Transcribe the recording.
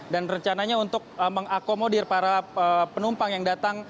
dan rencananya untuk mengakomodir para penumpang yang datang